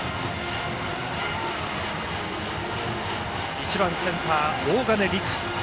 １番、センター大金莉久。